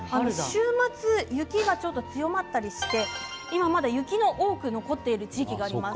週末、雪が強まったりしてまだ雪が残っている地域があります。